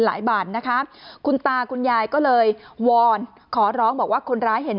บาทนะคะคุณตาคุณยายก็เลยวอนขอร้องบอกว่าคนร้ายเห็น